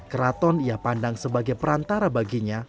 keraton ia pandang sebagai perantara baginya